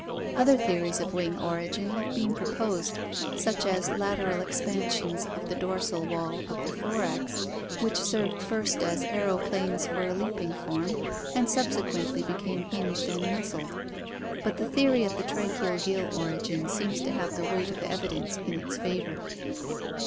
Other theories of wing origin have been proposed, such as lateral expansions of the dorsal wall of the thorax, which served first as aeroplanes for a leaping form, and subsequently became hinged and muscled; but the theory of the tracheal gill origin seems to have the weight of evidence in its favor.